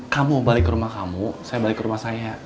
kamu balik ke rumah kamu saya balik ke rumah saya